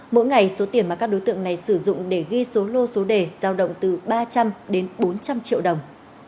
mỗi ngày số tiền mà các đối tượng này sử dụng để ghi số lô số đề giao động từ ba trăm linh đến bốn trăm linh triệu đồng